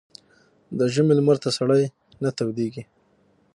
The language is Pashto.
ـ د ژمي لمر ته سړى نه تودېږي.